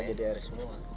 sudah jadi air semua